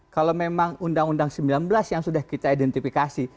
kalau memang undang undang sembilan belas yang sudah kita identifikasi